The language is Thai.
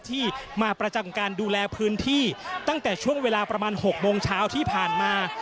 ที่มาประจำการดูแลพื้นที่ตั้งแต่ช่วงเวลาประมาณ๖โมงเช้าที่ผ่านมา